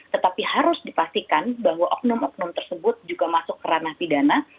tetapi harus dipastikan bahwa oknum oknum tersebut juga masuk ke ranah pidana